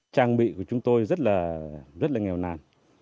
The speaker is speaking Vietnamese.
trang bị của chúng tôi rất là nghèo nàn